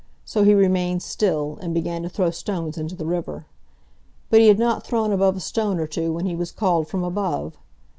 So he remained still, and began to throw stones into the river. But he had not thrown above a stone or two when he was called from above.